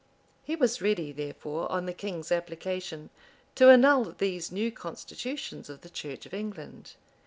He was ready, therefore, on the king's application, to annul these new constitutions of the church of England.